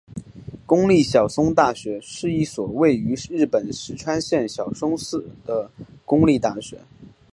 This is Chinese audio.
公立小松大学是一所位于日本石川县小松市的公立大学。